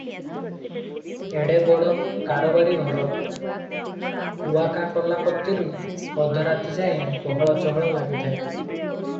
ଏଡେ ବଡ କାରବାରୀ ଘର, କୁଆ କା କଲା କତିରୁ ଅଧରାତିଯାଏ ଗହଳ ଚହଳ ଲାଗିଥାଏ ।